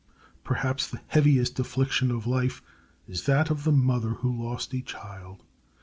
Perhaps the heaviest affliction of life is that of the mother who has lost a child.